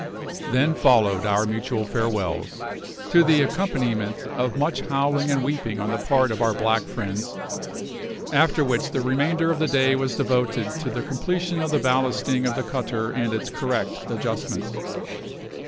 Then followed our mutual farewells, to the accompaniment of much howling and weeping on the part of our black friends; after which the remainder of the day was devoted to the completion of the ballasting of the cutter and its correct adjustment.